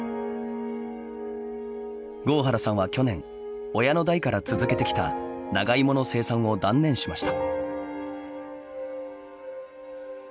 郷原さんは去年親の代から続けてきた長いもの生産を断念しました。